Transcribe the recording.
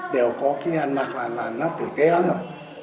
đều có cái ăn mặc là nó tử tế lắm rồi